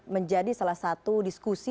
menjadi salah satu diskusi